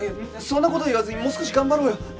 そんな事言わずにもう少し頑張ろうよ。